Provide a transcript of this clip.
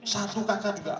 satu kakak juga